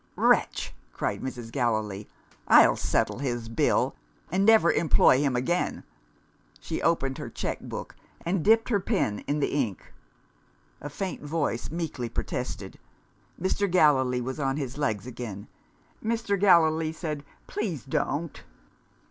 "Wretch!" cried Mrs. Gallilee. "I'll settle his bill, and never employ him again!" She opened her cheque book, and dipped her pen in the ink. A faint voice meekly protested. Mr. Gallilee was on his legs again. Mr. Gallilee said. "Please don't!"